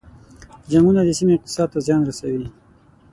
جنګونه د سیمې اقتصاد ته زیان رسوي.